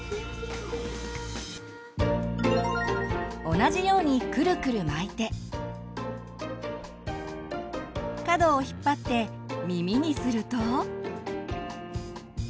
同じようにくるくる巻いて角をひっぱって耳にすると。